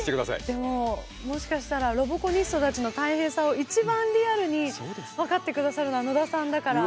でももしかしたらロボコニストたちの大変さを一番リアルに分かって下さるのは野田さんだから。